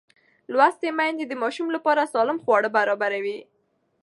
لوستې میندې د ماشوم لپاره سالم خواړه برابروي.